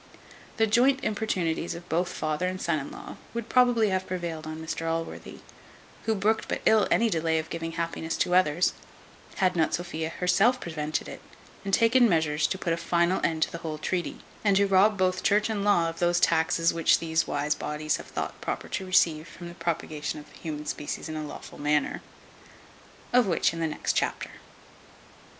The joint importunities of both father and son in law would probably have prevailed on Mr Allworthy, who brooked but ill any delay of giving happiness to others, had not Sophia herself prevented it, and taken measures to put a final end to the whole treaty, and to rob both church and law of those taxes which these wise bodies have thought proper to receive from the propagation of the human species in a lawful manner. Of which in the next chapter.